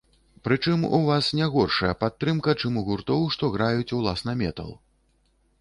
Прычым, у вас не горшая падтрымка, чым у гуртоў, што граюць, уласна, метал.